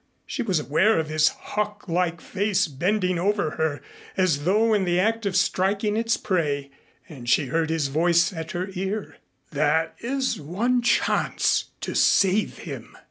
She was aware of his hawk like face bending over her as though in the act of striking its prey and she heard his voice at her ear. "There is one chance to save him."